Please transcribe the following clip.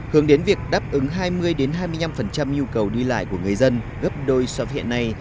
hướng đến việc đáp ứng hai mươi hai mươi năm nhu cầu đi lại của người dân gấp đôi so với hiện nay